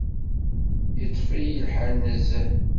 Yeṭṭef-iyi lḥal nezzeh.